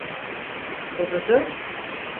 Profesör?